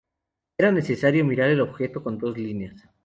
Era necesario mirar el objeto con dos líneas.